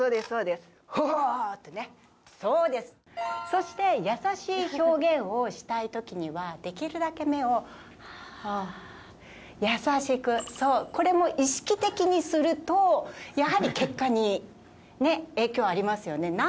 そうですははーってねそして優しい表現をしたい時にはできるだけ目をはっ優しくそうこれも意識的にするとやはり結果に影響ありますよね